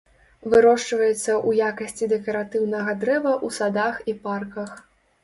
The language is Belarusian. Вырошчваецца ў якасці дэкаратыўнага дрэва ў садах і парках.